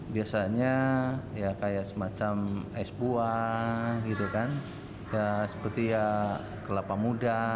biasanya kayak semacam es buah seperti kelapa muda